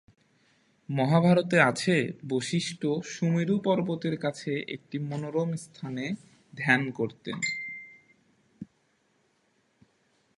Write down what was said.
মহাভারতে আছে, বশিষ্ঠ সুমেরু পর্বতের কাছে একটি মনোরম স্থানে ধ্যান করতেন।